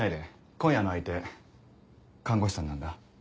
今夜の相手看護師さんなんだ。